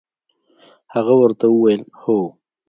هغه ورته وویل: هو.